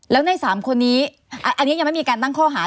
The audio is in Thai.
แล้วใน๓คนนี้อันนี้ยังไม่มีการตั้งข้อหา